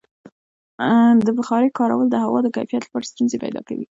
د بخارۍ کارول د هوا د کیفیت لپاره ستونزې پیدا کوي.